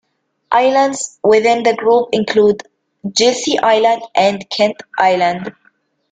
Islands within the group include Jessie Island and Kent Island.